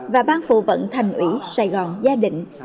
và ban phụ vận thành ủy sài gòn gia đình